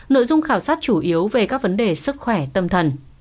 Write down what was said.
nội dung khảo sát chủ yếu về các vấn đề sức khỏe tâm thần